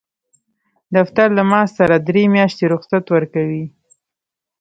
دفتر له معاش سره درې میاشتې رخصت ورکوي.